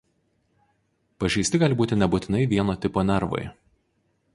Pažeisti gali būti nebūtinai vieno tipo nervai.